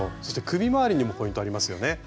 そして首回りにもポイントありますよね？